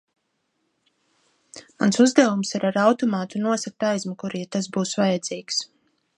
Mans uzdevums ir ar automātu nosegt aizmuguri, ja tas būs vajadzīgs.